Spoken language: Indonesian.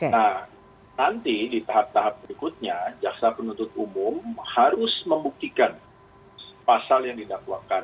nah nanti di tahap tahap berikutnya jaksa penuntut umum harus membuktikan pasal yang didakwakan